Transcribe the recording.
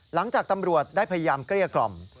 หลังจากตำรวจได้พยายามเกลี้ยกล่อม